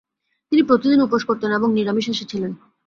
তিনি প্রতিদিন উপোস করতেন এবং নিরামিষাশী ছিলেন।